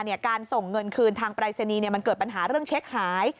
การส่งเงินคืนทางปรายศนีย์มันเกิดปัญหาเรื่องเช็คหาย